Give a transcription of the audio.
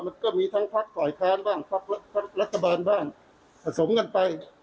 มันก็มีทั้งพักฝ่ายค้านบ้างพักรัฐบาลบ้างผสมกันไป